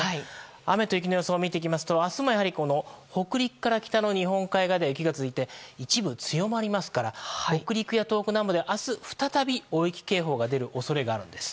雨と雪の予想を見ていきますと明日も北陸から北の日本海側で雪が続いて一部強まりますから北陸や東北南部では明日再び大雪警報が出る可能性があるんです。